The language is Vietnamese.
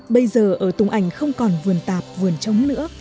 bây giờ ở tùng ảnh không còn vườn tạp vườn trống nữa